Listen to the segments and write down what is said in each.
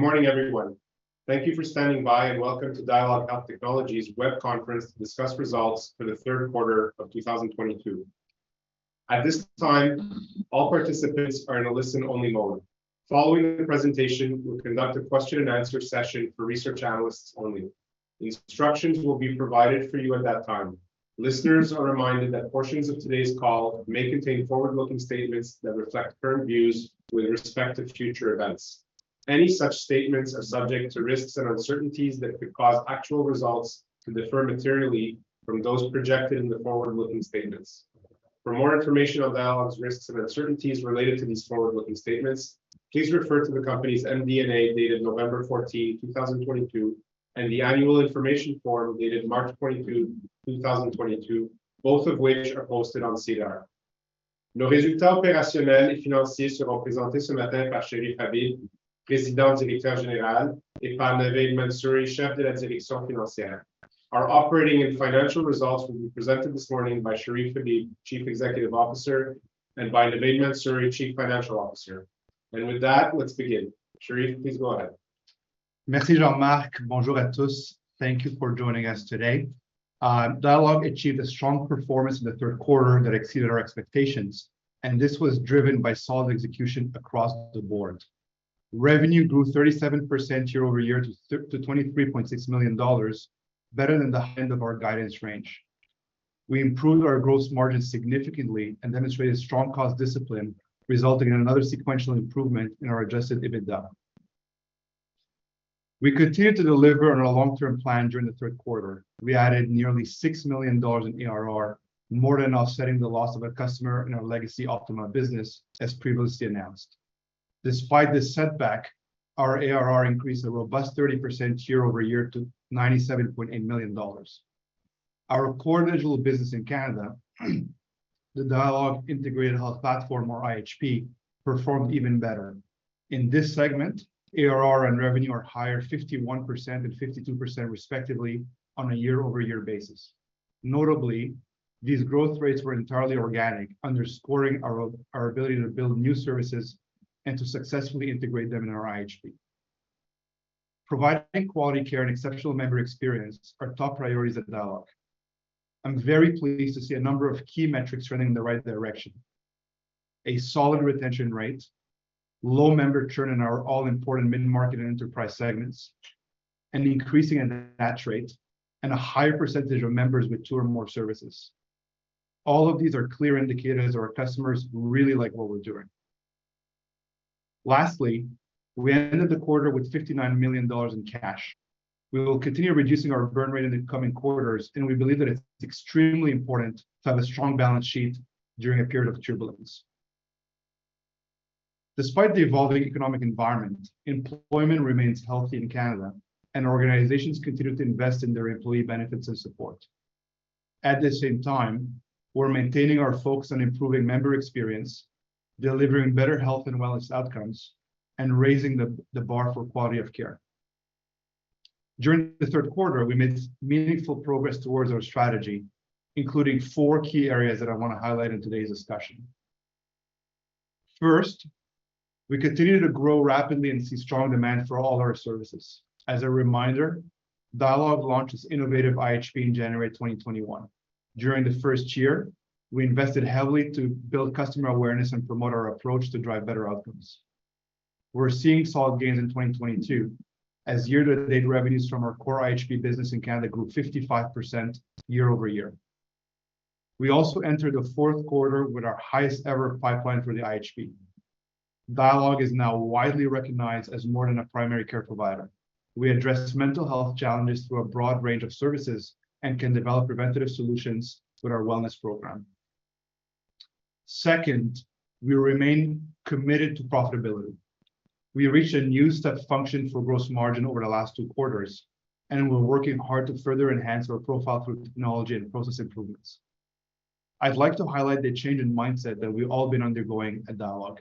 Good morning, everyone. Thank you for standing by and welcome to Dialogue Health Technologies web conference to discuss results for the third quarter of 2022. At this time, all participants are in a listen-only mode. Following the presentation, we'll conduct a question and answer session for research analysts only. The instructions will be provided for you at that time. Listeners are reminded that portions of today's call may contain forward-looking statements that reflect current views with respect to future events. Any such statements are subject to risks and uncertainties that could cause actual results to differ materially from those projected in the forward-looking statements. For more information on Dialogue's risks and uncertainties related to these forward-looking statements, please refer to the company's MD&A dated November 14th, 2022, and the annual information form dated March 22nd, 2022, both of which are posted on SEDAR. Nos résultats opérationnels et financiers seront présentés ce matin par Cherif, président, directeur général, et par Navaid Mansuri, chef de la direction financière. Our operating and financial results will be presented this morning by Cherif, Chief Executive Officer, and by Navaid Mansuri, Chief Financial Officer. With that, let's begin. Cherif, please go ahead. Merci, Jean-Marc. Bonjour à tous. Thank you for joining us today. Dialogue achieved a strong performance in the third quarter that exceeded our expectations, and this was driven by solid execution across the board. Revenue grew 37% year-over-year to 23.6 million dollars, better than the end of our guidance range. We improved our gross margin significantly and demonstrated strong cost discipline, resulting in another sequential improvement in our Adjusted EBITDA. We continued to deliver on our long-term plan during the third quarter. We added nearly 6 million dollars in ARR, more than offsetting the loss of a customer in our legacy Optima business, as previously announced. Despite this setback, our ARR increased a robust 30% year-over-year to 97.8 million dollars. Our core digital business in Canada, the Dialogue Integrated Health Platform, or IHP, performed even better. In this segment, ARR and revenue are higher 51% and 52% respectively on a year-over-year basis. Notably, these growth rates were entirely organic, underscoring our ability to build new services and to successfully integrate them in our IHP. Providing quality care and exceptional member experience are top priorities at Dialogue. I'm very pleased to see a number of key metrics running in the right direction. A solid retention rate, low member churn in our all-important mid-market and enterprise segments, an increasing attach rate, and a higher percentage of members with two or more services. All of these are clear indicators our customers really like what we're doing. Lastly, we ended the quarter with 59 million dollars in cash. We will continue reducing our burn rate in the coming quarters, and we believe that it's extremely important to have a strong balance sheet during a period of turbulence. Despite the evolving economic environment, employment remains healthy in Canada, and organizations continue to invest in their employee benefits and support. At the same time, we're maintaining our focus on improving member experience, delivering better health and wellness outcomes, and raising the bar for quality of care. During the third quarter, we made meaningful progress towards our strategy, including four key areas that I wanna highlight in today's discussion. First, we continue to grow rapidly and see strong demand for all our services. As a reminder, Dialogue launched its innovative IHP in January 2021. During the first year, we invested heavily to build customer awareness and promote our approach to drive better outcomes. We're seeing solid gains in 2022, as year-to-date revenues from our core IHP business in Canada grew 55% year-over-year. We also entered the fourth quarter with our highest ever pipeline for the IHP. Dialogue is now widely recognized as more than a primary care provider. We address mental health challenges through a broad range of services and can develop preventative solutions with our wellness program. Second, we remain committed to profitability. We reached a new step function for gross margin over the last two quarters, and we're working hard to further enhance our profile through technology and process improvements. I'd like to highlight the change in mindset that we've all been undergoing at Dialogue.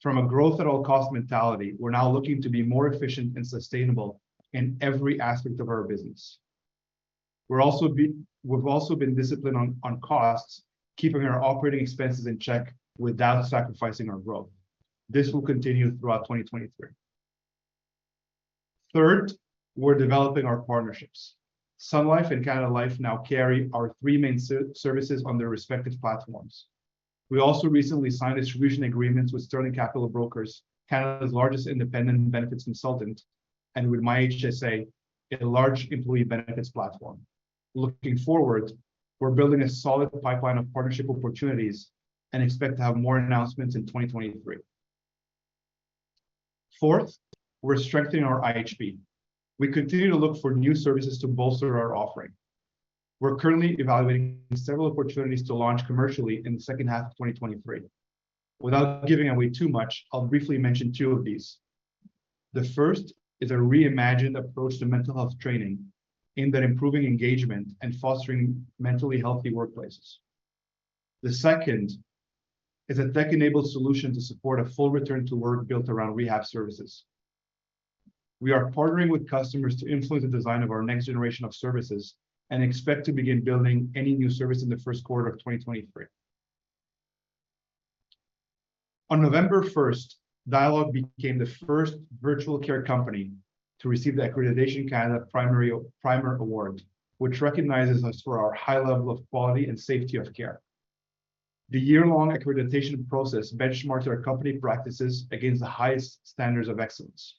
From a growth at all cost mentality, we're now looking to be more efficient and sustainable in every aspect of our business. We've also been disciplined on costs, keeping our operating expenses in check without sacrificing our growth. This will continue throughout 2023. Third, we're developing our partnerships. Sun Life and Canada Life now carry our three main services on their respective platforms. We also recently signed distribution agreements with Sterling Capital Brokers, Canada's largest independent benefits consultant, and with myHSA, a large employee benefits platform. Looking forward, we're building a solid pipeline of partnership opportunities and expect to have more announcements in 2023. Fourth, we're strengthening our IHP. We continue to look for new services to bolster our offering. We're currently evaluating several opportunities to launch commercially in the second half of 2023. Without giving away too much, I'll briefly mention two of these. The first is a reimagined approach to mental health training aimed at improving engagement and fostering mentally healthy workplaces. The second is a tech-enabled solution to support a full return to work built around rehab services. We are partnering with customers to influence the design of our next generation of services and expect to begin building any new service in the first quarter of 2023. On November 1st, Dialogue became the first virtual care company to receive the Accreditation Canada Primer award, which recognizes us for our high level of quality and safety of care. The year-long accreditation process benchmarks our company practices against the highest standards of excellence.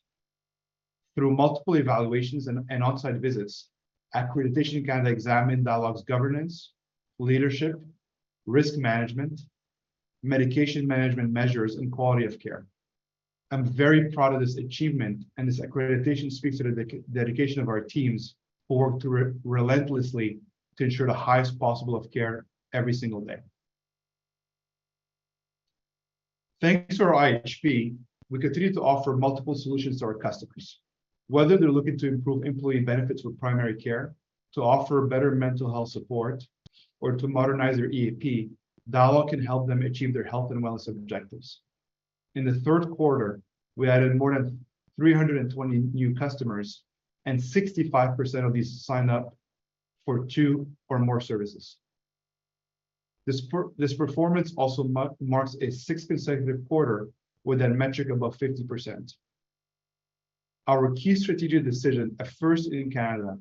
Through multiple evaluations and on-site visits, Accreditation Canada examined Dialogue's governance, leadership, risk management, medication management measures, and quality of care. I'm very proud of this achievement, and this accreditation speaks to the dedication of our teams who work to relentlessly ensure the highest possible standard of care every single day. Thanks to our IHP, we continue to offer multiple solutions to our customers. Whether they're looking to improve employee benefits with primary care, to offer better mental health support, or to modernize their EAP, Dialogue can help them achieve their health and wellness objectives. In the third quarter, we added more than 320 new customers, and 65% of these signed up for two or more services. This performance also marks a sixth consecutive quarter with that metric above 50%. Our key strategic decision, a first in Canada,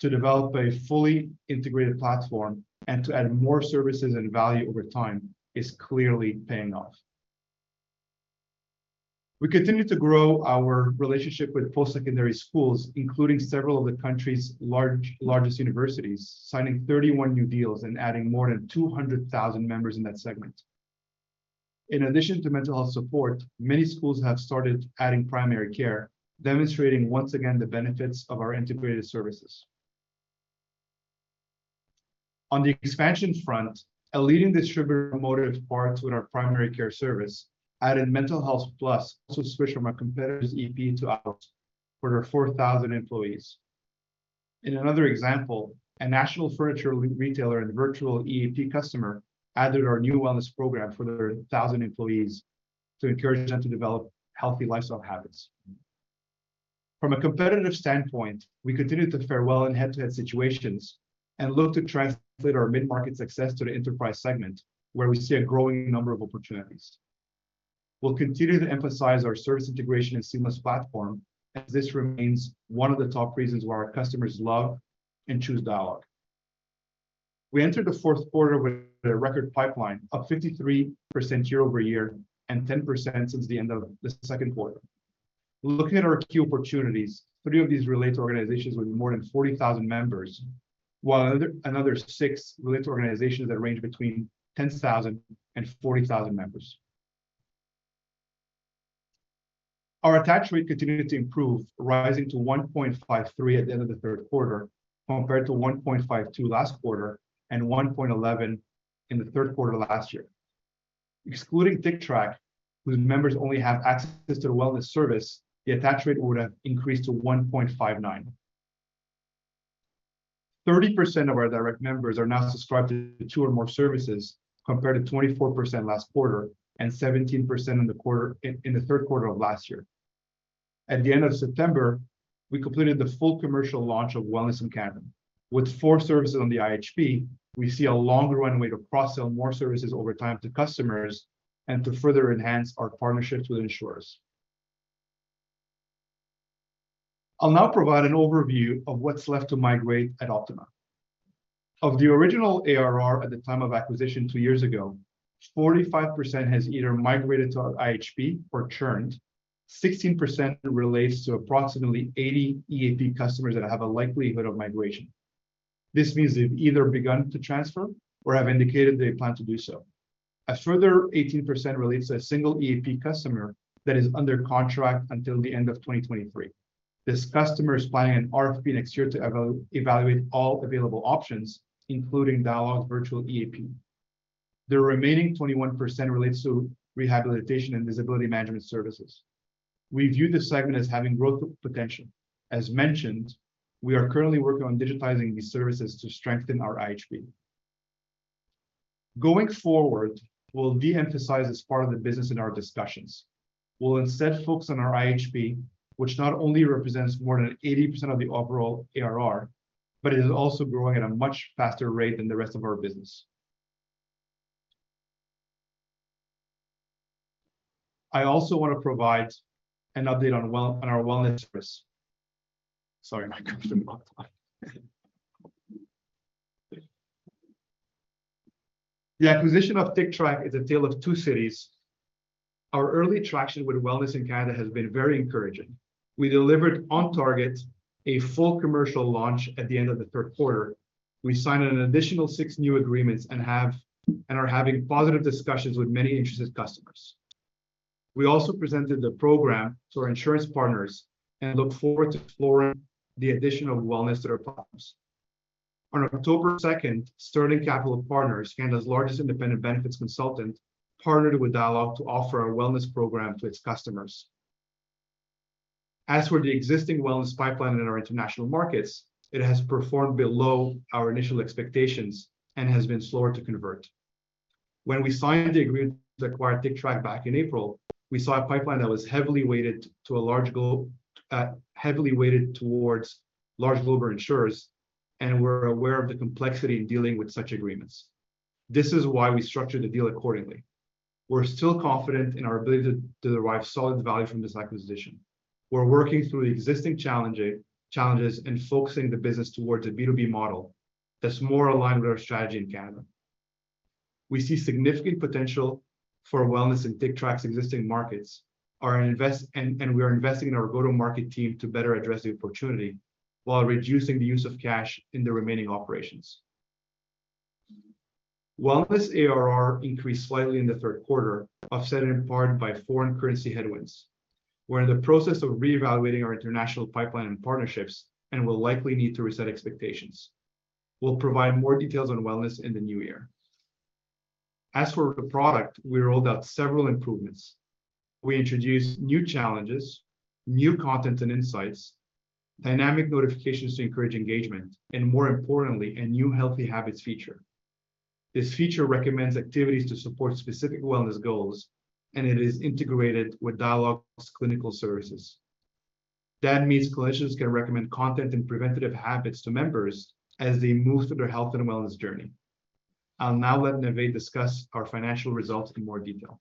to develop a fully integrated platform and to add more services and value over time, is clearly paying off. We continue to grow our relationship with post-secondary schools, including several of the country's largest universities, signing 31 new deals and adding more than 200,000 members in that segment. In addition to mental health support, many schools have started adding primary care, demonstrating, once again, the benefits of our integrated services. On the expansion front, a leading distributor of automotive parts with our primary care service added Mental Health+, also switched from our competitor's EAP to ours for their 4,000 employees. In another example, a national furniture re-retailer and virtual EAP customer added our new wellness program for their 1,000 employees to encourage them to develop healthy lifestyle habits. From a competitive standpoint, we continue to fare well in head-to-head situations and look to translate our mid-market success to the enterprise segment, where we see a growing number of opportunities. We'll continue to emphasize our service integration and seamless platform, as this remains one of the top reasons why our customers love and choose Dialogue. We entered the fourth quarter with a record pipeline, up 53% year-over-year and 10% since the end of the second quarter. Looking at our key opportunities, three of these relate to organizations with more than 40,000 members, while another six relate to organizations that range between 10,000 and 40,000 members. Our attach rate continued to improve, rising to 1.53 at the end of the third quarter, compared to 1.52 last quarter and 1.11 in the third quarter last year. Excluding Tictrac, whose members only have access to wellness service, the attach rate would have increased to 1.59. 30% of our direct members are now subscribed to two or more services, compared to 24% last quarter and 17% in the third quarter of last year. At the end of September, we completed the full commercial launch of Wellness in Canada. With four services on the IHP, we see a longer runway to cross-sell more services over time to customers and to further enhance our partnerships with insurers. I'll now provide an overview of what's left to migrate at Optima. Of the original ARR at the time of acquisition two years ago, 45% has either migrated to our IHP or churned. 16% relates to approximately 80 EAP customers that have a likelihood of migration. This means they've either begun to transfer or have indicated they plan to do so. A further 18% relates to a single EAP customer that is under contract until the end of 2023. This customer is planning an RFP next year to evaluate all available options, including Dialogue's virtual EAP. The remaining 21% relates to rehabilitation and disability management services. We view this segment as having growth potential. As mentioned, we are currently working on digitizing these services to strengthen our IHP. Going forward, we'll de-emphasize this part of the business in our discussions. We'll instead focus on our IHP, which not only represents more than 80% of the overall ARR, but it is also growing at a much faster rate than the rest of our business. I also want to provide an update on our wellness. Sorry, my cough. The acquisition of Tictrac is a tale of two cities. Our early traction with wellness in Canada has been very encouraging. We delivered on target a full commercial launch at the end of the third quarter. We signed an additional 6 new agreements and are having positive discussions with many interested customers. We also presented the program to our insurance partners and look forward to exploring the addition of wellness to their partners. On October second, Sterling Capital Brokers, Canada's largest independent benefits consultant, partnered with Dialogue to offer our wellness program to its customers. As for the existing wellness pipeline in our international markets, it has performed below our initial expectations and has been slower to convert. When we signed the agreement to acquire Tictrac back in April, we saw a pipeline that was heavily weighted towards large global insurers. We're aware of the complexity in dealing with such agreements. This is why we structured the deal accordingly. We're still confident in our ability to derive solid value from this acquisition. We're working through the existing challenges and focusing the business towards a B2B model that's more aligned with our strategy in Canada. We see significant potential for wellness in Tictrac's existing markets and we are investing in our go-to-market team to better address the opportunity while reducing the use of cash in the remaining operations. Wellness ARR increased slightly in the third quarter, offset in part by foreign currency headwinds. We're in the process of reevaluating our international pipeline and partnerships and will likely need to reset expectations. We'll provide more details on wellness in the new year. As for the product, we rolled out several improvements. We introduced new challenges, new content and insights, dynamic notifications to encourage engagement, and more importantly, a new healthy habits feature. This feature recommends activities to support specific wellness goals, and it is integrated with Dialogue's clinical services. That means collections can recommend content and preventative habits to members as they move through their health and wellness journey. I'll now let Navaid discuss our financial results in more detail.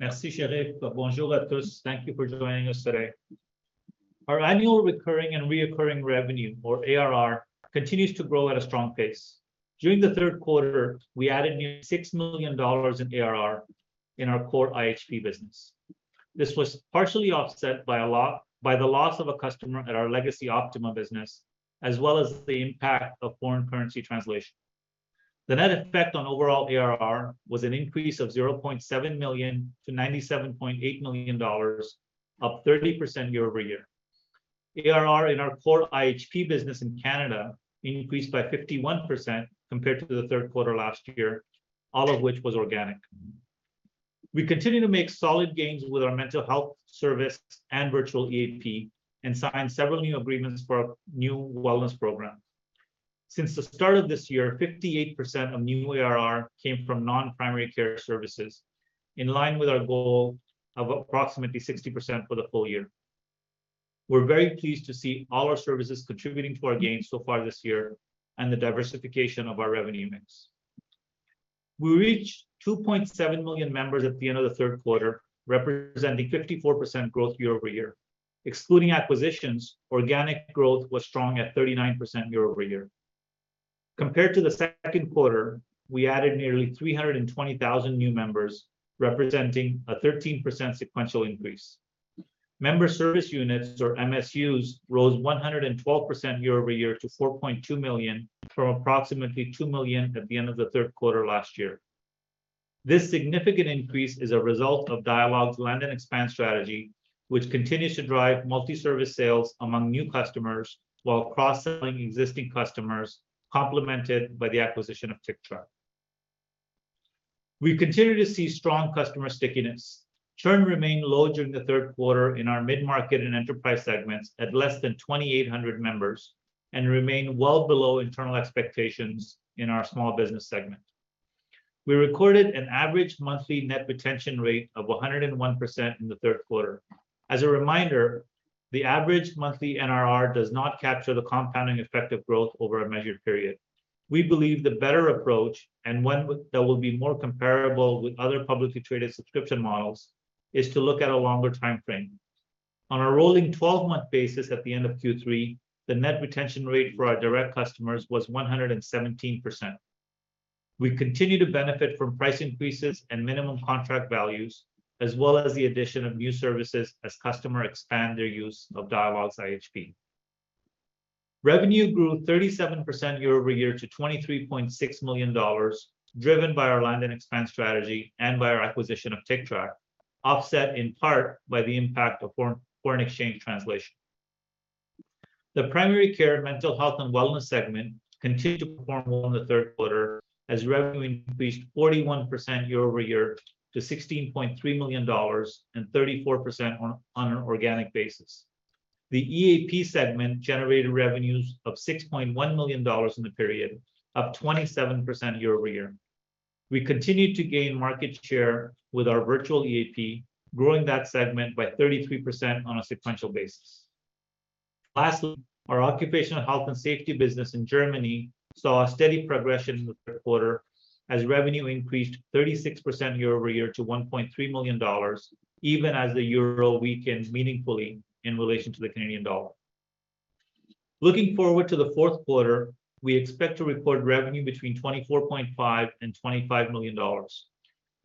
Merci, Cherif. Bonjour à tous. Thank you for joining us today. Our annual recurring and reoccurring revenue, or ARR, continues to grow at a strong pace. During the third quarter, we added nearly 6 million dollars in ARR in our core IHP business. This was partially offset by the loss of a customer at our legacy Optima business, as well as the impact of foreign currency translation. The net effect on overall ARR was an increase of 0.7 million to 97.8 million dollars, up 30% year-over-year. ARR in our core IHP business in Canada increased by 51% compared to the third quarter last year, all of which was organic. We continue to make solid gains with our mental health service and virtual EAP and signed several new agreements for our new wellness program. Since the start of this year, 58% of new ARR came from non-primary care services, in line with our goal of approximately 60% for the full year. We're very pleased to see all our services contributing to our gains so far this year and the diversification of our revenue mix. We reached 2.7 million members at the end of the third quarter, representing 54% growth year-over-year. Excluding acquisitions, organic growth was strong at 39% year-over-year. Compared to the second quarter, we added nearly 320,000 new members, representing a 13% sequential increase. Member service units, or MSUs, rose 112% year-over-year to 4.2 million from approximately 2 million at the end of the third quarter last year. This significant increase is a result of Dialogue's land and expand strategy, which continues to drive multi-service sales among new customers while cross-selling existing customers, complemented by the acquisition of Tictrac. We continue to see strong customer stickiness. Churn remained low during the third quarter in our mid-market and enterprise segments at less than 2,800 members and remained well below internal expectations in our small business segment. We recorded an average monthly net retention rate of 101% in the third quarter. As a reminder, the average monthly NRR does not capture the compounding effect of growth over a measured period. We believe the better approach, and one that will be more comparable with other publicly traded subscription models, is to look at a longer timeframe. On a rolling twelve-month basis at the end of Q3, the net retention rate for our direct customers was 117%. We continue to benefit from price increases and minimum contract values, as well as the addition of new services as customer expand their use of Dialogue's IHP. Revenue grew 37% year-over-year to 23.6 million dollars, driven by our land and expand strategy and by our acquisition of Tictrac, offset in part by the impact of foreign exchange translation. The primary care mental health and wellness segment continued to perform well in the third quarter as revenue increased 41% year-over-year to 16.3 million dollars and 34% on an organic basis. The EAP segment generated revenues of 6.1 million dollars in the period, up 27% year-over-year. We continued to gain market share with our virtual EAP, growing that segment by 33% on a sequential basis. Lastly, our occupational health and safety business in Germany saw a steady progression in the third quarter as revenue increased 36% year-over-year to 1.3 million dollars, even as the euro weakened meaningfully in relation to the Canadian dollar. Looking forward to the fourth quarter, we expect to report revenue between 24.5 million and 25 million dollars.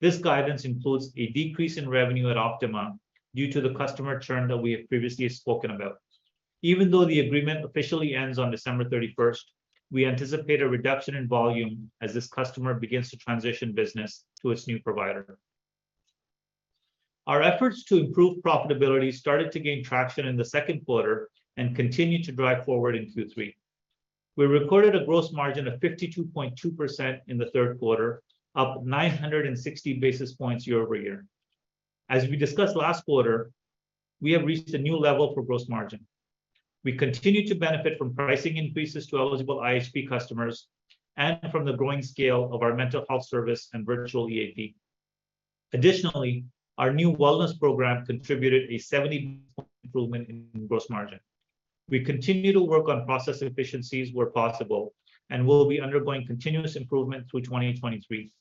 This guidance includes a decrease in revenue at Optima due to the customer churn that we have previously spoken about. Even though the agreement officially ends on December 31st, we anticipate a reduction in volume as this customer begins to transition business to its new provider. Our efforts to improve profitability started to gain traction in the second quarter and continued to drive forward in Q3. We recorded a gross margin of 52.2% in the third quarter, up 960 basis points year-over-year. As we discussed last quarter, we have reached a new level for gross margin. We continue to benefit from pricing increases to eligible ISP customers and from the growing scale of our mental health service and virtual EAP. Additionally, our new wellness program contributed a 70-point improvement in gross margin. We continue to work on process efficiencies where possible, and we'll be undergoing continuous improvement through 2023.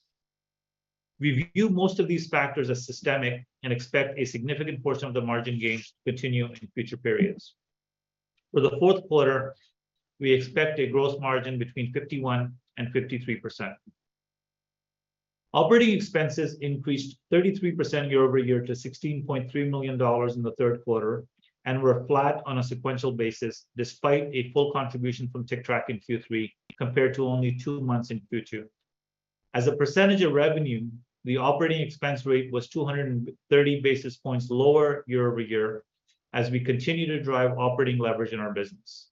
We view most of these factors as systemic and expect a significant portion of the margin gains to continue in future periods. For the fourth quarter, we expect a gross margin between 51% and 53%. Operating expenses increased 33% year-over-year to 16.3 million dollars in the third quarter, and were flat on a sequential basis despite a full contribution from Tictrac in Q3, compared to only 2 months in Q2. As a percentage of revenue, the operating expense rate was 230 basis points lower year-over-year as we continue to drive operating leverage in our business.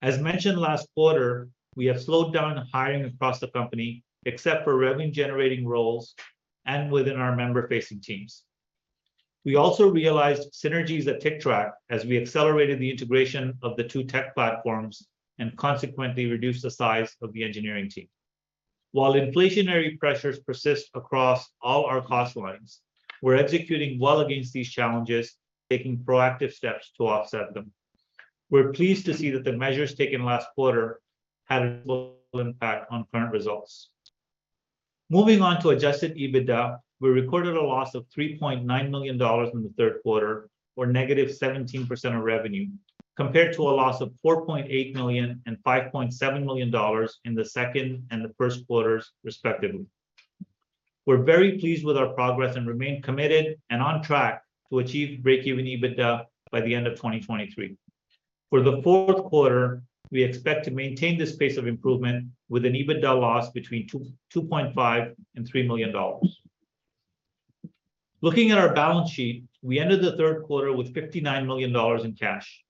As mentioned last quarter, we have slowed down hiring across the company, except for revenue-generating roles and within our member-facing teams. We also realized synergies at Tictrac as we accelerated the integration of the two tech platforms and consequently reduced the size of the engineering team. While inflationary pressures persist across all our cost lines, we're executing well against these challenges, taking proactive steps to offset them. We're pleased to see that the measures taken last quarter had a global impact on current results. Moving on to Adjusted EBITDA, we recorded a loss of 3.9 million dollars in the third quarter, or -17% of revenue, compared to a loss of 4.8 million and 5.7 million dollars in the second and the first quarters, respectively. We're very pleased with our progress and remain committed and on track to achieve break-even EBITDA by the end of 2023. For the fourth quarter, we expect to maintain this pace of improvement with an EBITDA loss between 2.5 million and 3 million dollars. Looking at our balance sheet, we ended the third quarter with 59 million dollars in cash.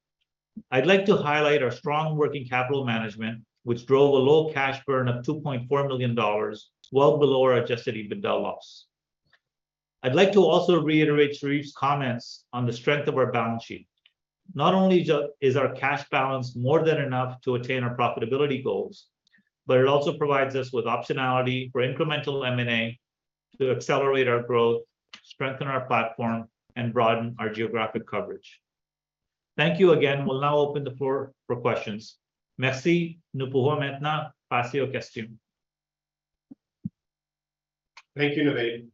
I'd like to highlight our strong working capital management, which drove a low cash burn of 2.4 million dollars, well below our Adjusted EBITDA loss. I'd like to also reiterate Cherif's comments on the strength of our balance sheet. Not only is our cash balance more than enough to attain our profitability goals, but it also provides us with optionality for incremental M&A to accelerate our growth, strengthen our platform, and broaden our geographic coverage. Thank you again. We'll now open the floor for questions. Thank you, Navaid.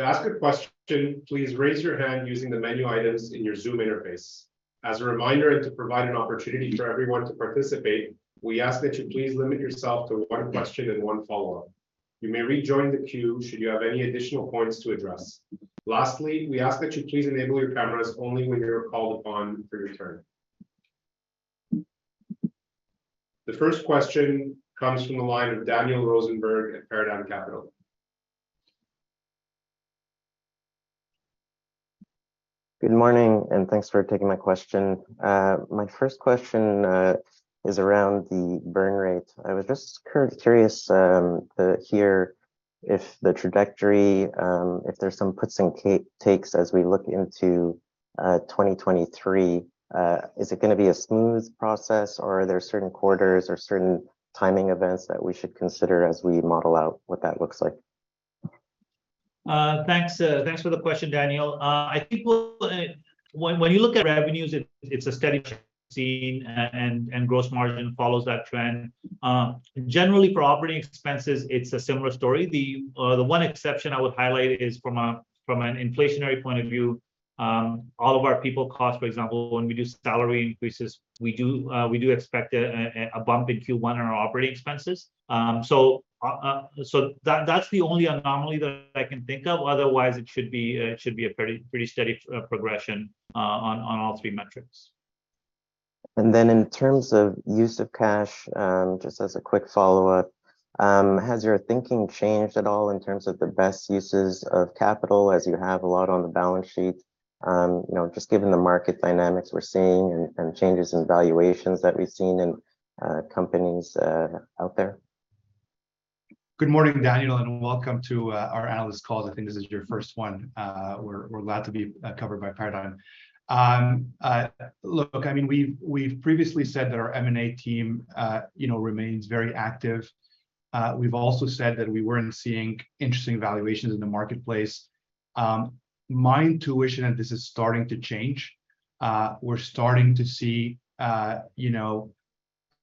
To ask a question, please raise your hand using the menu items in your Zoom interface. As a reminder, and to provide an opportunity for everyone to participate, we ask that you please limit yourself to one question and one follow-up. You may rejoin the queue should you have any additional points to address. Lastly, we ask that you please enable your cameras only when you're called upon for your turn. The first question comes from the line of Daniel Rosenberg at Paradigm Capital. Good morning, and thanks for taking my question. My first question is around the burn rate. I was just curious to hear if the trajectory, if there's some puts and takes as we look into 2023. Is it gonna be a smooth process or are there certain quarters or certain timing events that we should consider as we model out what that looks like? Thanks for the question, Daniel. I think when you look at revenues, it's a steady state and gross margin follows that trend. Generally for operating expenses, it's a similar story. The one exception I would highlight is from an inflationary point of view, all of our people costs, for example, when we do salary increases, we do expect a bump in Q1 on our operating expenses. So that's the only anomaly that I can think of. Otherwise, it should be a pretty steady progression on all three metrics. In terms of use of cash, just as a quick follow-up, has your thinking changed at all in terms of the best uses of capital as you have a lot on the balance sheet, you know, just given the market dynamics we're seeing and changes in valuations that we've seen in companies out there? Good morning, Daniel, and welcome to our analyst call. I think this is your first one. We're glad to be covered by Paradigm. Look, I mean, we've previously said that our M&A team, you know, remains very active. We've also said that we weren't seeing interesting valuations in the marketplace. My intuition, and this is starting to change, we're starting to see, you know,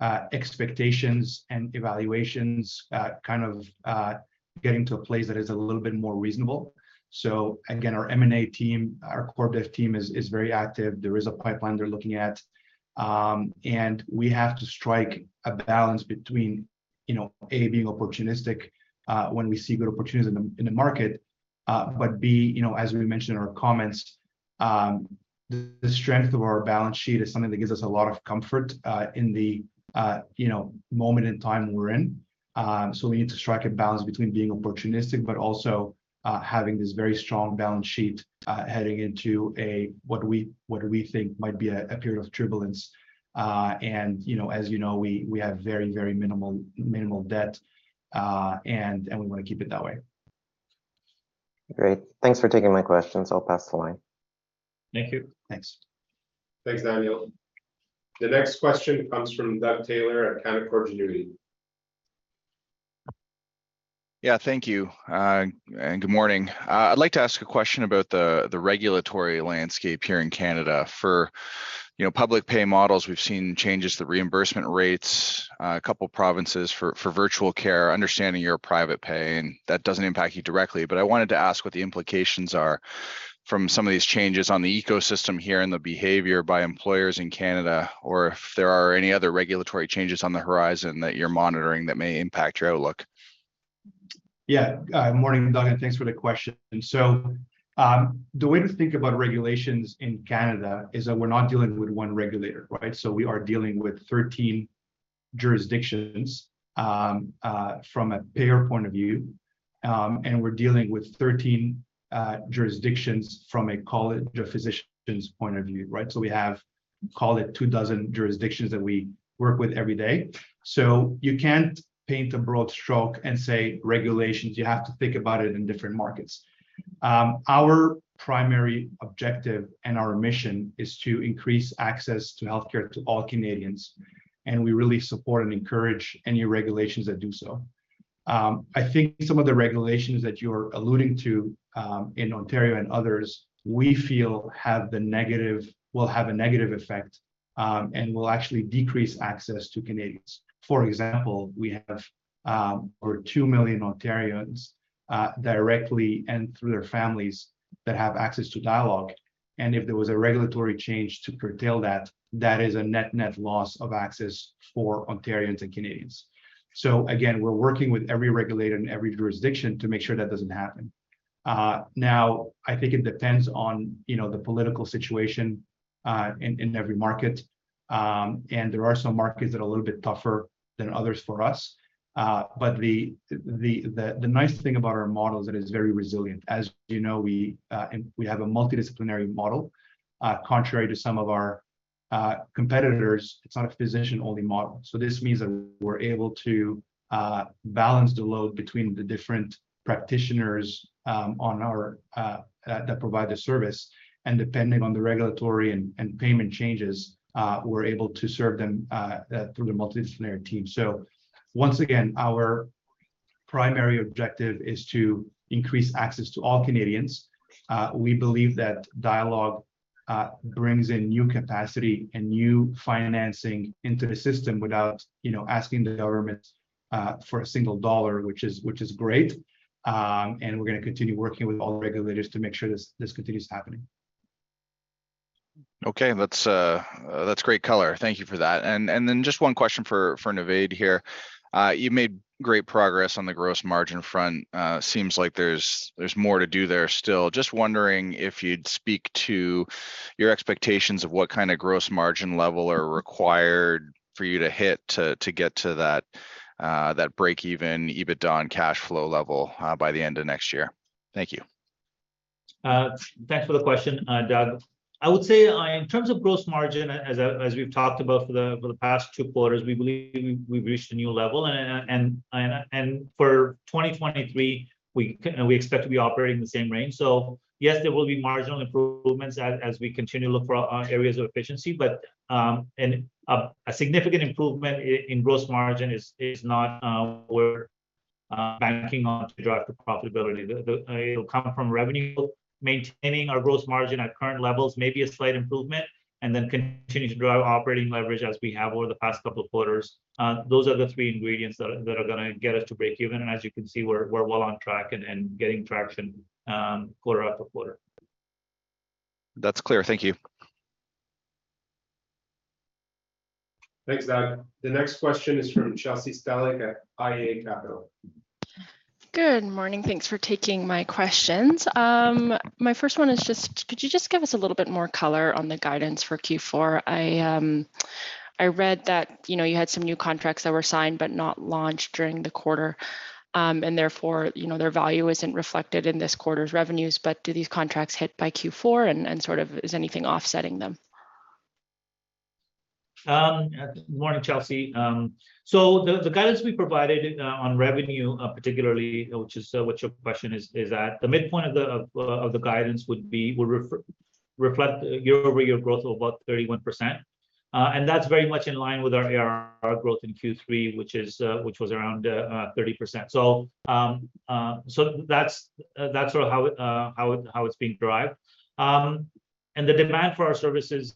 expectations and evaluations, kind of, getting to a place that is a little bit more reasonable. Again, our M&A team, our corp dev team is very active. There is a pipeline they're looking at. We have to strike a balance between, you know, A, being opportunistic when we see good opportunities in the market, but B, you know, as we mentioned in our comments, the strength of our balance sheet is something that gives us a lot of comfort in the moment in time we're in. We need to strike a balance between being opportunistic, but also having this very strong balance sheet heading into what we think might be a period of turbulence. You know, as you know, we have very minimal debt, and we wanna keep it that way. Great. Thanks for taking my questions. I'll pass the line. Thank you. Thanks. Thanks, Daniel. The next question comes from Doug Taylor at Canaccord Genuity. Yeah, thank you. Good morning. I'd like to ask a question about the regulatory landscape here in Canada for, you know, public pay models. We've seen changes to reimbursement rates, a couple provinces for virtual care, understanding your private pay, and that doesn't impact you directly. I wanted to ask what the implications are from some of these changes on the ecosystem here and the behavior by employers in Canada, or if there are any other regulatory changes on the horizon that you're monitoring that may impact your outlook. Yeah. Morning, Doug, and thanks for the question. The way to think about regulations in Canada is that we're not dealing with one regulator, right? We are dealing with 13 jurisdictions from a payer point of view, and we're dealing with 13 jurisdictions from a College of Physicians point of view, right? We have, call it 24 jurisdictions that we work with every day. You can't paint a broad stroke and say, "Regulations." You have to think about it in different markets. Our primary objective and our mission is to increase access to healthcare to all Canadians, and we really support and encourage any regulations that do so. I think some of the regulations that you're alluding to in Ontario and others we feel will have a negative effect and will actually decrease access to Canadians. For example, we have over 2 million Ontarians directly and through their families that have access to Dialogue. If there was a regulatory change to curtail that is a net-net loss of access for Ontarians and Canadians. Again, we're working with every regulator in every jurisdiction to make sure that doesn't happen. Now, I think it depends on you know the political situation in every market. There are some markets that are a little bit tougher than others for us. The nice thing about our model is it is very resilient. As you know, we have a multidisciplinary model, contrary to some of our competitors. It's not a physician-only model. This means that we're able to balance the load between the different practitioners that provide the service. Depending on the regulatory and payment changes, we're able to serve them through the multidisciplinary team. Once again, our primary objective is to increase access to all Canadians. We believe that Dialogue brings in new capacity and new financing into the system without, you know, asking the government for a single dollar, which is great. We're gonna continue working with all the regulators to make sure this continues happening. That's great color. Thank you for that. Then just one question for Navaid here. You made great progress on the gross margin front. Seems like there's more to do there still. Just wondering if you'd speak to your expectations of what kind of gross margin level are required for you to hit to get to that break even EBITDA and cash flow level by the end of next year. Thank you. Thanks for the question, Doug. I would say, in terms of gross margin, as we've talked about for the past two quarters, we believe we've reached a new level and for 2023, we expect to be operating in the same range. Yes, there will be marginal improvements as we continue to look for areas of efficiency, but a significant improvement in gross margin is not where we're banking on to drive the profitability. It will come from revenue, maintaining our gross margin at current levels, maybe a slight improvement, and then continue to drive operating leverage as we have over the past couple of quarters. Those are the three ingredients that are gonna get us to break even. As you can see, we're well on track and getting traction, quarter after quarter. That's clear. Thank you. Thanks, Doug. The next question is from Chelsea Stellick at iA Capital Markets. Good morning. Thanks for taking my questions. My first one is just, could you just give us a little bit more color on the guidance for Q4? I read that, you know, you had some new contracts that were signed but not launched during the quarter, and therefore, you know, their value isn't reflected in this quarter's revenues. Do these contracts hit by Q4, and sort of is anything offsetting them? Morning, Chelsea. The guidance we provided on revenue, particularly, which is what your question is at the midpoint of the guidance would reflect year-over-year growth of about 31%. That's very much in line with our ARR growth in Q3, which was around 30%. That's sort of how it's being derived. The demand for our services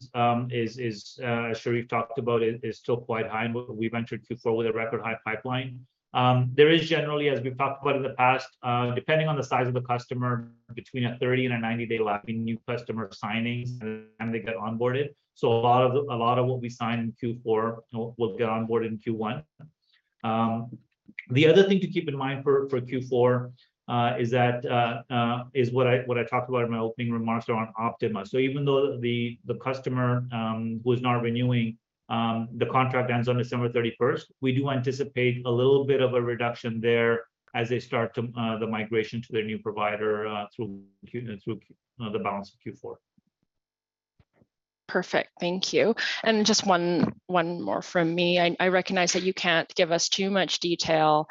is, as Cherif talked about it, still quite high, and we've entered Q4 with a record high pipeline. There is generally, as we've talked about in the past, depending on the size of the customer, between a 30- and 90-day lag in new customer signings and they get onboarded. A lot of what we sign in Q4 will get onboarded in Q1. The other thing to keep in mind for Q4 is what I talked about in my opening remarks around Optima. Even though the customer who is not renewing the contract ends on December thirty-first, we do anticipate a little bit of a reduction there as they start the migration to their new provider through the balance of Q4. Perfect. Thank you. Just one more from me. I recognize that you can't give us too much detail,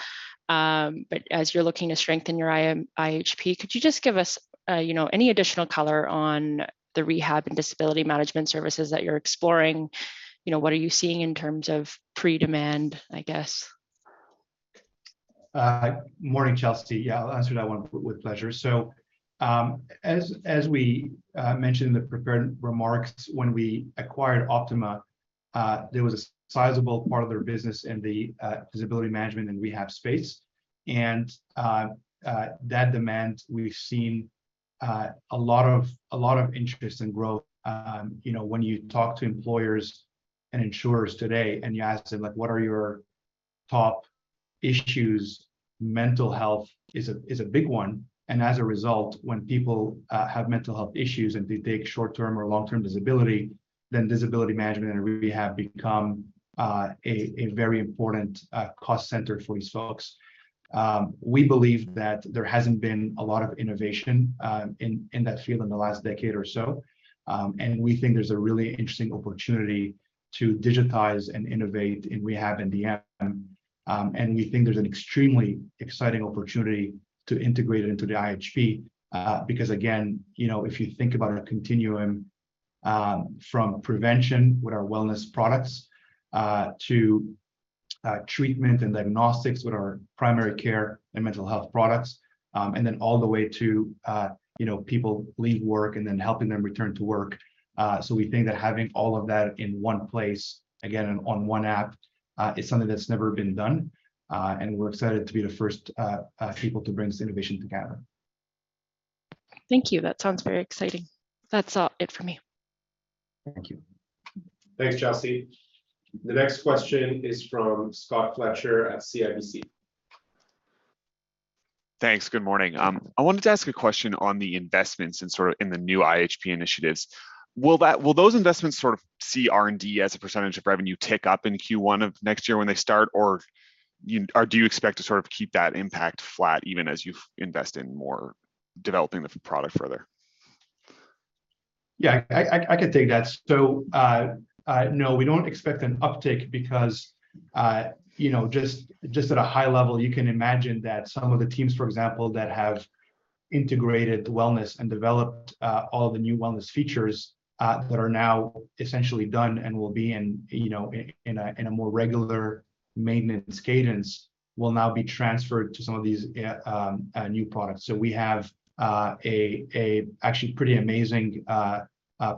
but as you're looking to strengthen your IHP, could you just give us, you know, any additional color on the rehab and disability management services that you're exploring? You know, what are you seeing in terms of demand, I guess? Morning, Chelsea. Yeah, I'll answer that one with pleasure. As we mentioned in the prepared remarks, when we acquired Optima, there was a sizable part of their business in the disability management and rehab space, and that demand, we've seen a lot of interest and growth. You know, when you talk to employers and insurers today, and you ask them like, "What are your top issues," mental health is a big one. As a result, when people have mental health issues, and they take short-term or long-term disability, then disability management and rehab become a very important cost center for these folks. We believe that there hasn't been a lot of innovation in that field in the last decade or so. We think there's a really interesting opportunity to digitize and innovate in rehab and DM. We think there's an extremely exciting opportunity to integrate it into the IHP, because again, you know, if you think about our continuum, from prevention with our wellness products, to treatment and diagnostics with our primary care and mental health products, and then all the way to, you know, people leaving work and then helping them return to work. We think that having all of that in one place, again, in one app, is something that's never been done, and we're excited to be the first people to bring this innovation together. Thank you. That sounds very exciting. That's it from me. Thank you. Thanks, Chelsea. The next question is from Scott Fletcher at CIBC. Thanks. Good morning. I wanted to ask a question on the investments in sort of in the new IHP initiatives. Will those investments sort of see R&D as a percentage of revenue tick up in Q1 of next year when they start, or do you expect to sort of keep that impact flat even as you invest in more developing the product further? Yeah. I could take that. No, we don't expect an uptick because, you know, just at a high level, you can imagine that some of the teams, for example, that have integrated wellness and developed all the new wellness features that are now essentially done and will be in, you know, in a more regular maintenance cadence will now be transferred to some of these new products. We have a actually pretty amazing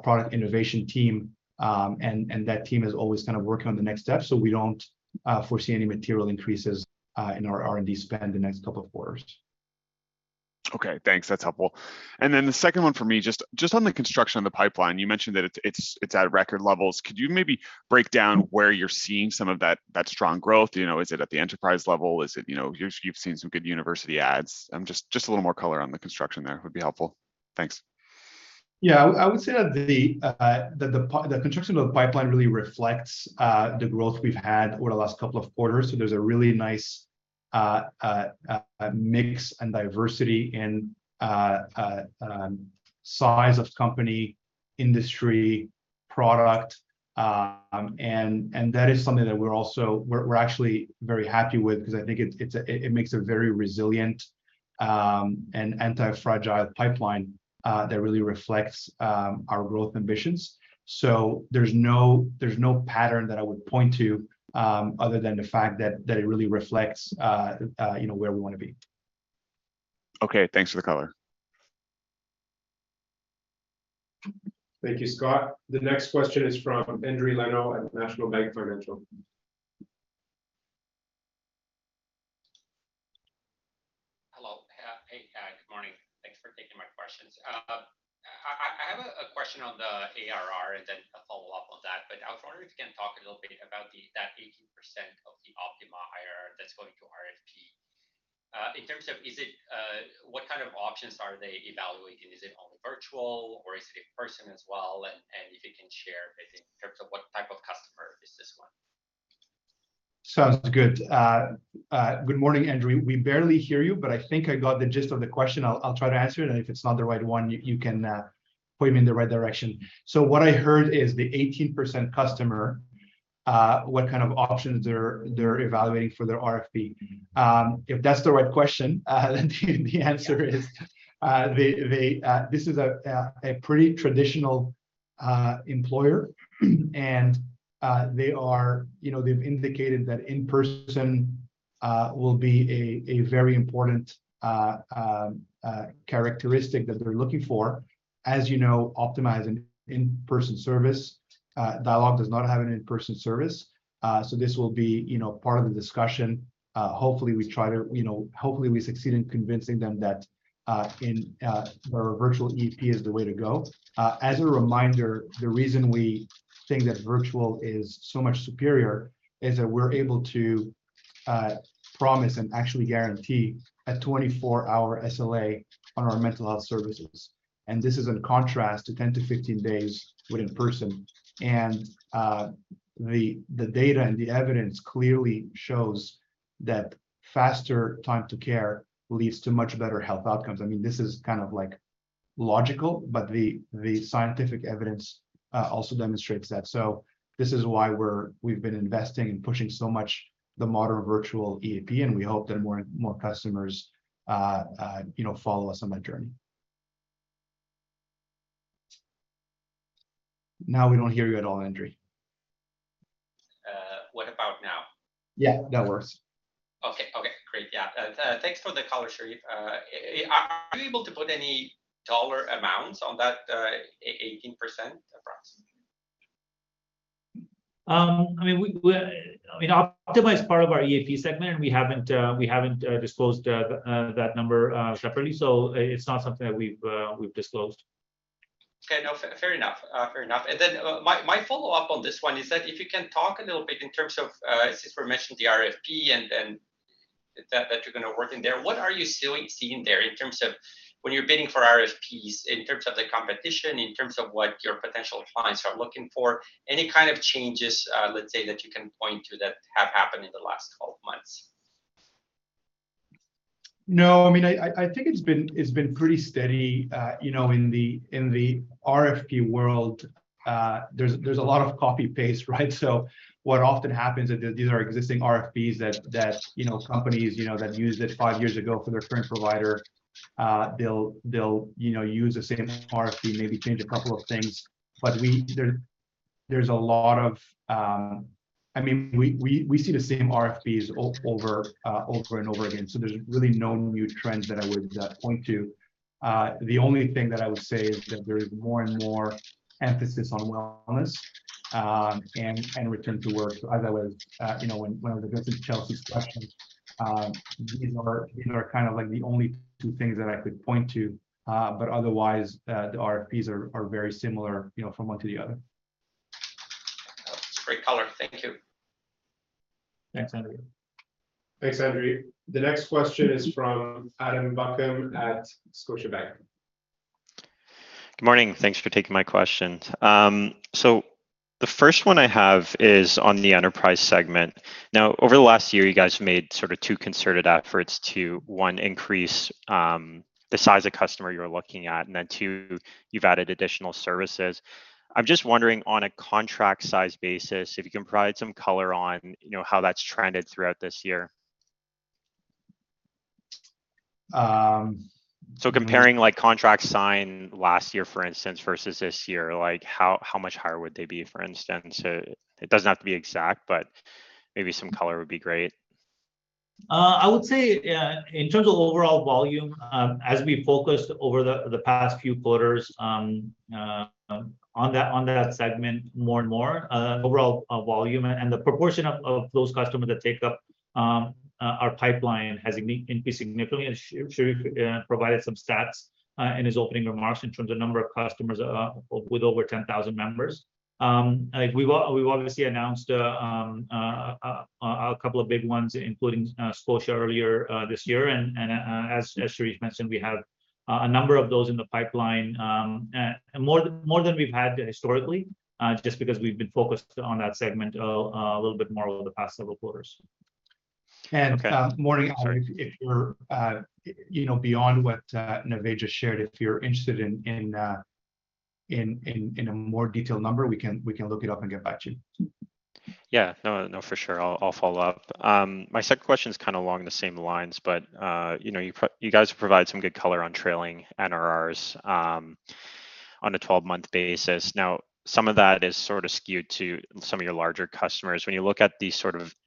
product innovation team, and that team is always kind of working on the next step. We don't foresee any material increases in our R&D spend the next couple of quarters. Okay, thanks. That's helpful. The second one for me, just on the construction of the pipeline, you mentioned that it's at record levels. Could you maybe break down where you're seeing some of that strong growth? You know, is it at the enterprise level? Is it, you know, you've seen some good university adds. Just a little more color on the construction there would be helpful. Thanks. Yeah. I would say that the construction of the pipeline really reflects the growth we've had over the last couple of quarters. There's a really nice mix and diversity in size of company, industry, product, and that is something that we're actually very happy with because I think it makes a very resilient and anti-fragile pipeline that really reflects our growth ambitions. There's no pattern that I would point to other than the fact that it really reflects you know where we wanna be. Okay. Thanks for the color. Thank you, Scott. The next question is from Andrew McDowall at National Bank Financial. Hello. Hey, good morning. Thanks for taking my questions. I have a question on the ARR and then a follow-up on that. I was wondering if you can talk a little bit about that 18% of the Optima ARR that's going to RFP. In terms of, is it what kind of options are they evaluating? Is it only virtual, or is it in person as well? If you can share maybe in terms of what type of customer is this one. Sounds good. Good morning, Andrew. We barely hear you, but I think I got the gist of the question. I'll try to answer it, and if it's not the right one, you can point me in the right direction. What I heard is the 18% customer, what kind of options they're evaluating for their RFP. If that's the right question, then the answer is, they, this is a pretty traditional employer, and they are, you know, they've indicated that in-person will be a very important characteristic that they're looking for. As you know, Optima is an in-person service. Dialogue does not have an in-person service. This will be, you know, part of the discussion. Hopefully we try to, you know. Hopefully we succeed in convincing them that our virtual EAP is the way to go. As a reminder, the reason we think that virtual is so much superior is that we're able to promise and actually guarantee a 24-hour SLA on our mental health services, and this is in contrast to 10-15 days with in-person. The data and the evidence clearly shows that faster time to care leads to much better health outcomes. I mean, this is kind of, like, logical, but the scientific evidence also demonstrates that. This is why we're investing and pushing so much the modern virtual EAP, and we hope that more customers, you know, follow us on that journey. Now we don't hear you at all, Andre. What about now? Yeah, that works. Okay. Okay, great. Yeah. Thanks for the color, Cherif. Are you able to put any dollar amounts on that, 18% approx? I mean, Optima is part of our EAP segment, and we haven't disclosed that number separately, so it's not something that we've disclosed. Fair enough. My follow-up on this one is that if you can talk a little bit in terms of, as you mentioned, the RFP and that you're gonna win there. What are you seeing there in terms of when you're bidding for RFPs, in terms of the competition, in terms of what your potential clients are looking for? Any kind of changes, let's say, that you can point to that have happened in the last 12 months? No. I mean, I think it's been pretty steady. You know, in the RFP world, there's a lot of copy-paste, right? What often happens is these are existing RFPs that you know, companies you know, that used it five years ago for their current provider. They'll you know, use the same RFP, maybe change a couple of things. There's a lot of, I mean, we see the same RFPs over and over again, so there's really no new trends that I would point to. The only thing that I would say is that there is more and more emphasis on wellness and return to work. As I was, you know, getting to Chelsea's questions, these are kind of like the only two things that I could point to. Otherwise, the RFPs are very similar, you know, from one to the other. Great color. Thank you. Thanks, Andre. Thanks, Andre. The next question is from Adam Buckham at Scotiabank. Good morning. Thanks for taking my questions. The first one I have is on the enterprise segment. Now, over the last year, you guys made sort of two concerted efforts to, one, increase the size of customer you're looking at, and then two, you've added additional services. I'm just wondering, on a contract size basis, if you can provide some color on, you know, how that's trended throughout this year. Um- Comparing like contract signed last year, for instance, versus this year, like how much higher would they be, for instance? It doesn't have to be exact, but maybe some color would be great. I would say in terms of overall volume, as we focused over the past few quarters on that segment more and more, overall volume and the proportion of those customers that take up our platform has increased significantly, and Cherif provided some stats in his opening remarks in terms of number of customers with over 10,000 members. Like we obviously announced a couple of big ones, including Scotiabank earlier this year. As Cherif mentioned, we have a number of those in the pipeline more than we've had historically just because we've been focused on that segment a little bit more over the past several quarters. Okay. Morning, Adam. If you're, you know, beyond what Navaid just shared, if you're interested in a more detailed number, we can look it up and get back to you. Yeah. No, no, for sure. I'll follow up. My second question is kind of along the same lines, but you know, you guys provide some good color on trailing NRR on a 12-month basis. Now, some of that is sort of skewed to some of your larger customers. When you look at the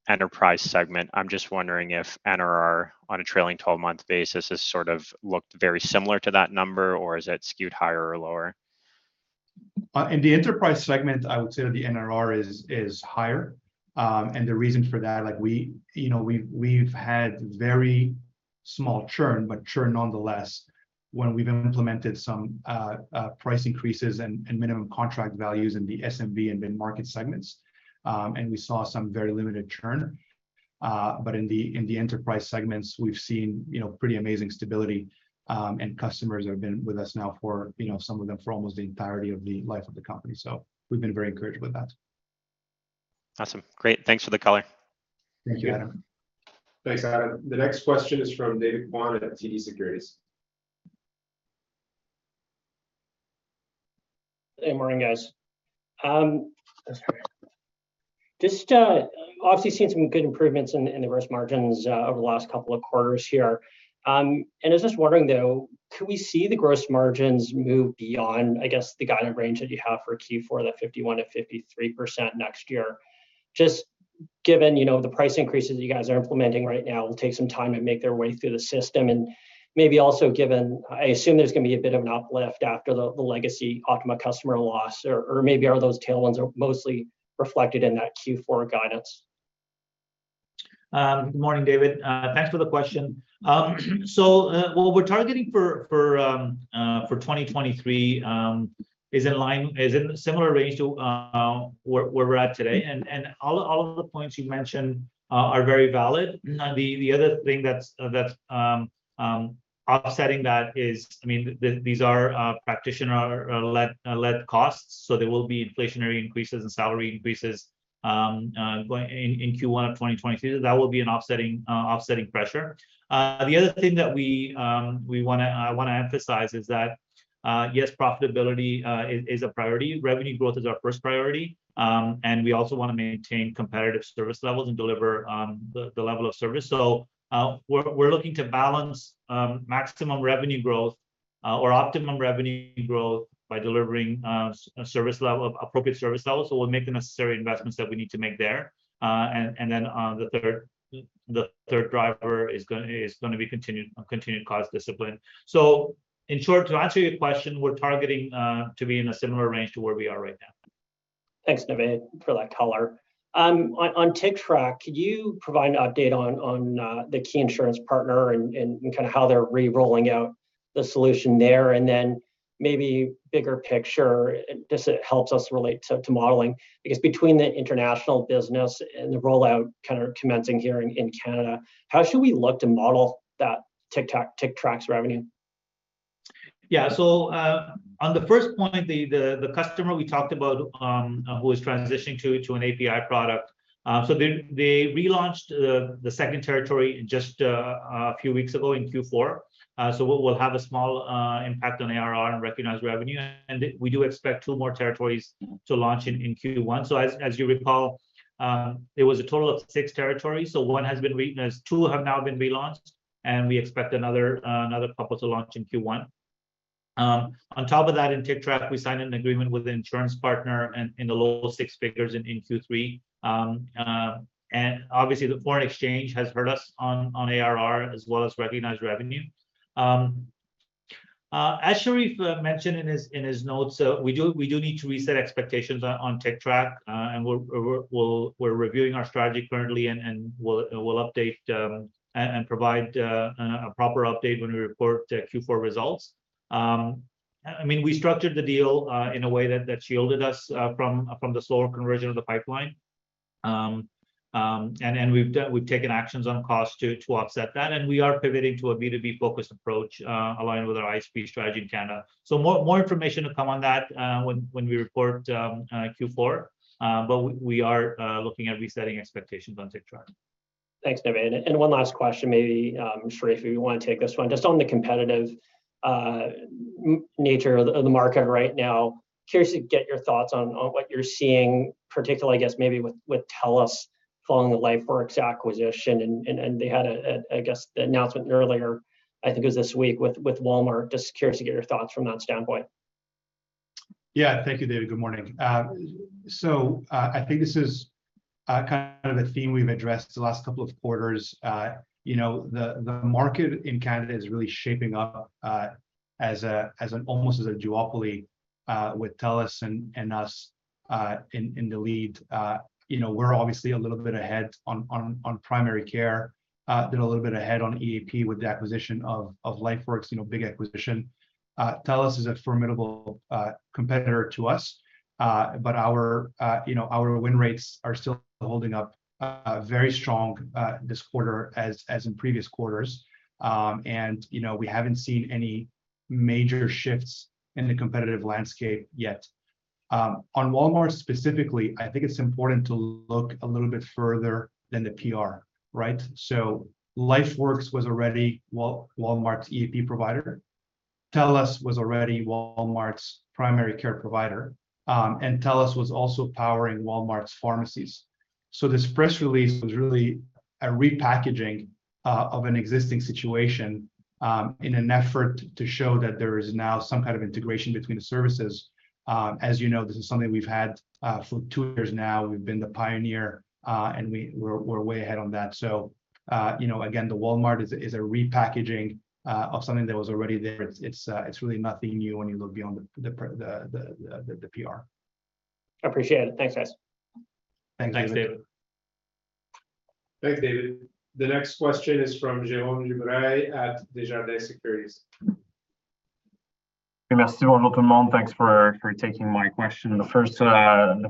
sort of enterprise segment, I'm just wondering if NRR on a trailing 12-month basis has sort of looked very similar to that number, or is it skewed higher or lower? In the enterprise segment, I would say that the NRR is higher. The reason for that, like we, you know, we've had very small churn, but churn nonetheless. When we've implemented some price increases and minimum contract values in the SMB and mid-market segments, and we saw some very limited churn. In the enterprise segments, we've seen, you know, pretty amazing stability, and customers that have been with us now for, you know, some of them for almost the entirety of the life of the company. We've been very encouraged with that. Awesome. Great. Thanks for the color. Thank you, Adam. Thanks, Adam. The next question is from David Kwan at TD Securities. Hey, morning, guys. Just obviously seen some good improvements in the gross margins over the last couple of quarters here. I was just wondering, though, could we see the gross margins move beyond, I guess, the guided range that you have for Q4, that 51%-53% next year? Just given, you know, the price increases you guys are implementing right now will take some time to make their way through the system. Maybe also given, I assume there's going to be a bit of an uplift after the legacy Optima customer loss or maybe are those tailwinds mostly reflected in that Q4 guidance? Good morning, David. Thanks for the question. So, what we're targeting for 2023 is in similar range to where we're at today. All of the points you mentioned are very valid. Mm-hmm. The other thing that's offsetting that is I mean, these are practitioner-led costs, so there will be inflationary increases and salary increases going in Q1 of 2023. That will be an offsetting pressure. The other thing that we wanna emphasize is that yes, profitability is a priority. Revenue growth is our first priority, and we also wanna maintain competitive service levels and deliver on the level of service. We're looking to balance maximum revenue growth or optimum revenue growth by delivering an appropriate service level. We'll make the necessary investments that we need to make there. And then the third driver is gonna be continued cost discipline. In short, to answer your question, we're targeting to be in a similar range to where we are right now. Thanks, Navaid, for that color. On Tictrac, could you provide an update on the key insurance partner and kind of how they're re-rolling out the solution there? Then maybe bigger picture, this helps us relate to modeling, because between the international business and the rollout kind of commencing here in Canada, how should we look to model that Tictrac's revenue? On the first point, the customer we talked about who is transitioning to an API product, so they relaunched the second territory just a few weeks ago in Q4. We'll have a small impact on ARR and recognized revenue. We do expect two more territories to launch in Q1. As you recall, it was a total of six territories. One has been released, two have now been relaunched, and we expect another couple to launch in Q1. On top of that, in Tictrac, we signed an agreement with the insurance partner in the low six figures CAD in Q3. Obviously the foreign exchange has hurt us on ARR as well as recognized revenue. As Cherif mentioned in his notes, we need to reset expectations on Tictrac, and we're reviewing our strategy currently and we'll update and provide a proper update when we report Q4 results. I mean, we structured the deal in a way that shielded us from the slower conversion of the pipeline. We've taken actions on cost to offset that, and we are pivoting to a B2B focused approach aligned with our IHP strategy in Canada. More information to come on that when we report Q4, but we are looking at resetting expectations on Tictrac. Thanks, Navaid. One last question, maybe, Sharif, if you wanna take this one. Just on the competitive nature of the market right now. Curious to get your thoughts on what you're seeing, particularly I guess maybe with TELUS following the LifeWorks acquisition. They had, I guess, an announcement earlier, I think it was this week with Walmart. Just curious to get your thoughts from that standpoint. Yeah. Thank you, David. Good morning. So, I think this is kind of a theme we've addressed the last couple of quarters. You know, the market in Canada is really shaping up as an almost duopoly with TELUS and us in the lead. You know, we're obviously a little bit ahead on primary care, then a little bit ahead on EAP with the acquisition of LifeWorks, you know, big acquisition. TELUS is a formidable competitor to us. But our win rates are still holding up very strong this quarter as in previous quarters. You know, we haven't seen any major shifts in the competitive landscape yet. On Walmart specifically, I think it's important to look a little bit further than the PR, right? LifeWorks was already Walmart's EAP provider. TELUS was already Walmart's primary care provider. TELUS was also powering Walmart's pharmacies. This press release was really a repackaging of an existing situation in an effort to show that there is now some kind of integration between the services. As you know, this is something we've had for two years now. We've been the pioneer, and we're way ahead on that. You know, again, the Walmart is a repackaging of something that was already there. It's really nothing new when you look beyond the PR. Appreciate it. Thanks, guys. Thanks, David. Thanks, David. Thanks, David. The next question is from Jérome Dubreuil at Desjardins Securities. Thanks for taking my question. The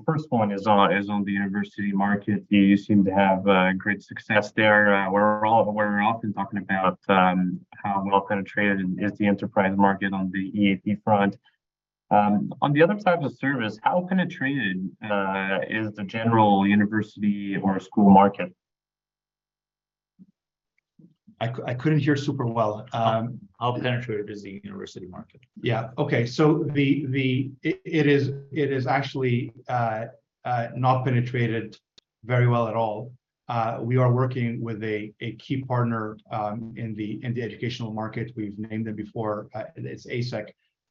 first one is on the university market. You seem to have great success there. We're often talking about how well penetrated is the enterprise market on the EAP front. On the other side of the service, how penetrated is the general university or school market? I couldn't hear super well. How penetrated is the university market? It is actually not penetrated very well at all. We are working with a key partner in the educational market. We've named them before, it's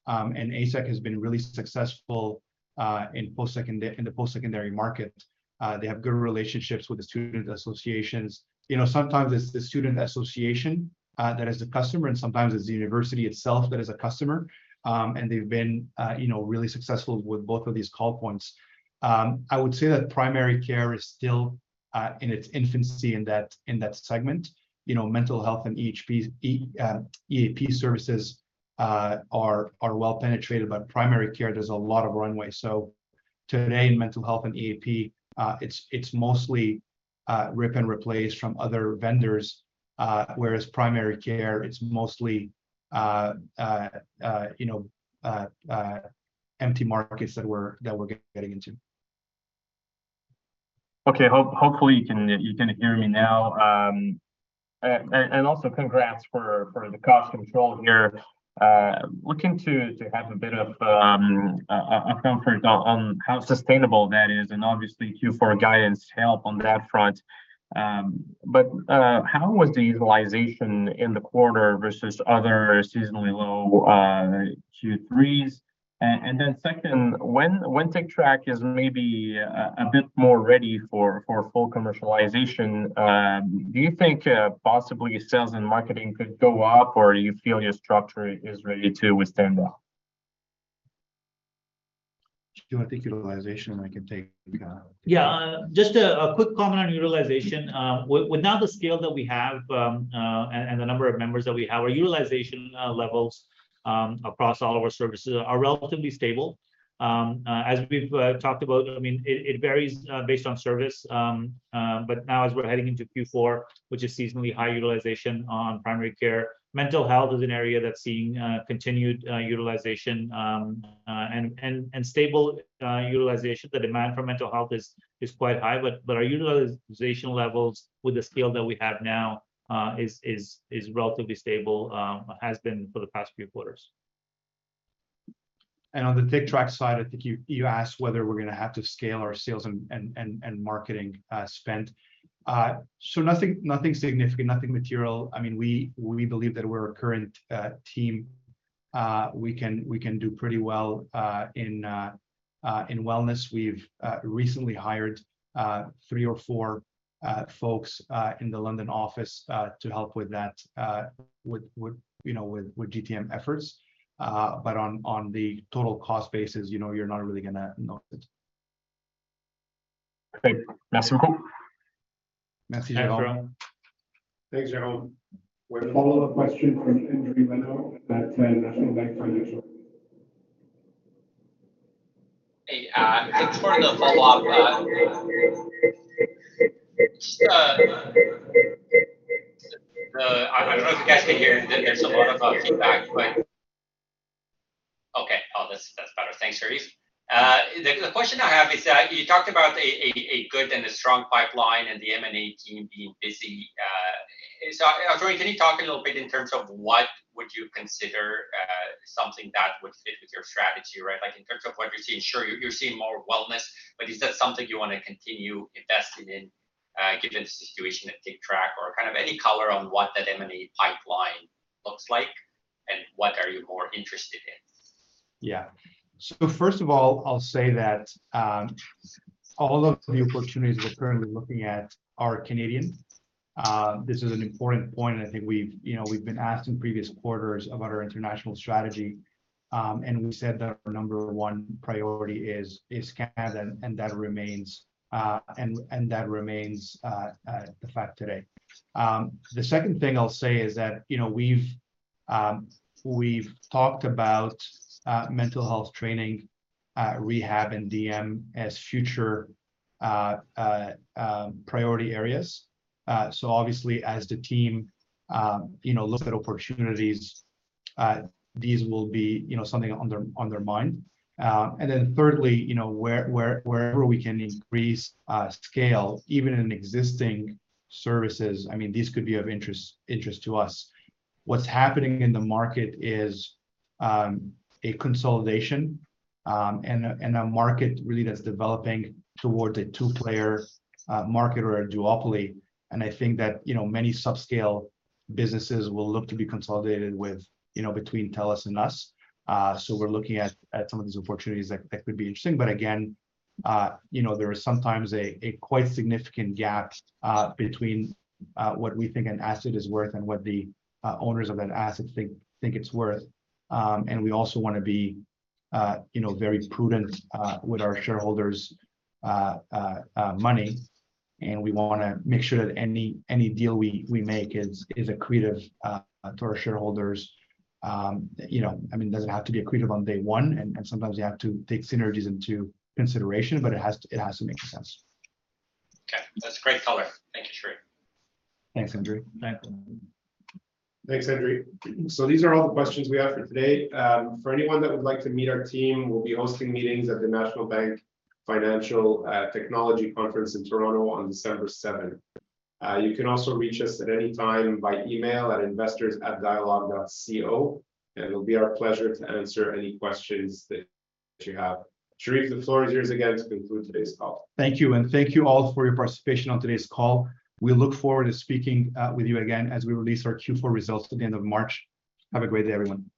ASEQ. ASEQ has been really successful in the post-secondary market. They have good relationships with the student associations. You know, sometimes it's the student association that is the customer, and sometimes it's the university itself that is a customer. They've been, you know, really successful with both of these call points. I would say that primary care is still in its infancy in that segment. You know, mental health and EAP services are well penetrated, but primary care, there's a lot of runway. Today in mental health and EAP, it's mostly rip and replace from other vendors, whereas primary care, it's mostly you know empty markets that we're getting into. Okay. Hopefully, you can hear me now. Also congrats for the cost control here. Looking to have a bit of comfort on how sustainable that is, and obviously Q4 guidance help on that front. How was the utilization in the quarter versus other seasonally low Q3s? Second, when Tictrac is maybe a bit more ready for full commercialization, do you think possibly sales and marketing could go up, or do you feel your structure is ready to withstand that? Do you want to take utilization, and I can take? Yeah. Just a quick comment on utilization. With now the scale that we have and the number of members that we have, our utilization levels across all of our services are relatively stable. As we've talked about, I mean, it varies based on service. But now as we're heading into Q4, which is seasonally high utilization on primary care, mental health is an area that's seeing continued utilization and stable utilization. The demand for mental health is quite high. But our utilization levels with the scale that we have now is relatively stable, has been for the past few quarters. On the Tictrac side, I think you asked whether we're gonna have to scale our sales and marketing spend. Nothing significant, nothing material. I mean, we believe that with our current team, we can do pretty well in wellness. We've recently hired three or four folks in the London office to help with that, you know, with GTM efforts. On the total cost basis, you know, you're not really gonna notice. Okay. Merci beaucoup. Merci, Jérome. Thanks, Jérome. Thanks, Jérome. We have a follow-up question from Andrew McDowall at National Bank Financial. Hey, thanks for the follow-up. I don't know if you guys can hear. There's a lot of feedback, but. Okay. Oh, that's better. Thanks, Cherif. The question I have is that you talked about a good and a strong pipeline and the M&A team being busy. So, Cherif, can you talk a little bit in terms of what would you consider something that would fit with your strategy, right? Like, in terms of what you're seeing. Sure, you're seeing more wellness, but is that something you wanna continue investing in, given the situation at Tictrac? Or kind of any color on what that M&A pipeline looks like, and what are you more interested in? Yeah. First of all, I'll say that all of the opportunities we're currently looking at are Canadian. This is an important point, and I think we've you know we've been asked in previous quarters about our international strategy. We said that our number one priority is Canada, and that remains the fact today. The second thing I'll say is that, you know, we've talked about mental health training, rehab and DM as future priority areas. Obviously as the team, you know, look at opportunities, these will be, you know, something on their mind. Then thirdly, you know, wherever we can increase scale, even in existing services, I mean, these could be of interest to us. What's happening in the market is a consolidation and a market really that's developing towards a two-player market or a duopoly, and I think that, you know, many subscale businesses will look to be consolidated with, you know, between TELUS and us. We're looking at some of these opportunities that could be interesting. Again, you know, there is sometimes a quite significant gap between what we think an asset is worth and what the owners of that asset think it's worth. We also wanna be, you know, very prudent with our shareholders' money, and we wanna make sure that any deal we make is accretive to our shareholders. You know, I mean, it doesn't have to be accretive on day one, and sometimes you have to take synergies into consideration, but it has to make sense. Okay. That's great color. Thank you, Cherif. Thanks, Andrew. Thank you. Thanks, Andrew. These are all the questions we have for today. For anyone that would like to meet our team, we'll be hosting meetings at the National Bank Financial Technology Conference in Toronto on December 7th. You can also reach us at any time by email at investors@Dialogue.co, and it'll be our pleasure to answer any questions that you have. Cherif, the floor is yours again to conclude today's call. Thank you, and thank you all for your participation on today's call. We look forward to speaking with you again as we release our Q4 results at the end of March. Have a great day, everyone.